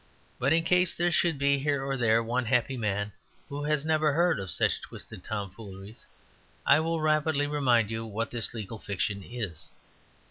But in case there should be here or there one happy man who has never heard of such twisted tomfooleries, I will rapidly remind you what this legal fiction is.